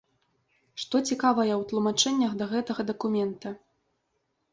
Што цікавае ў тлумачэннях да гэтага дакумента?